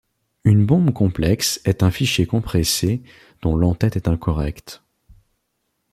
Une bombe complexe est un fichier compressé dont l'en-tête est incorrect.